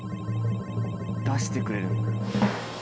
出してくれる。